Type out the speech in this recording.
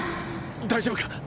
大丈夫か？